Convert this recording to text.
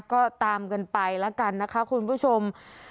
ก็ตามกันไปแล้วกันนะคะคุณผู้ชม